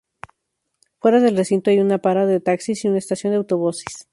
Fuera del recinto hay una para de taxis y una estación de autobuses.